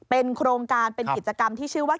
เป็นโครงการเป็นกิจกรรมที่ชื่อว่า